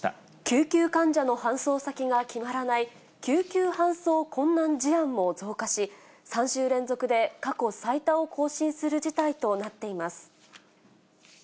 救急患者の搬送先が決まらない、救急搬送困難事案も増加し、３週連続で過去最多を更新する事態となっています。